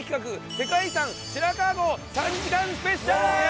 世界遺産白川郷３時間スペシャル！